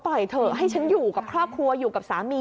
เถอะให้ฉันอยู่กับครอบครัวอยู่กับสามี